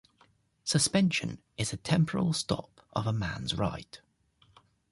Suspension is a temporal stop of a man's right.